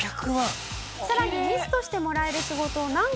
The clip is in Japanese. さらにミスとしてもらえる仕事を何個も掛け持ち。